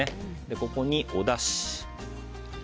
ここに、おだし。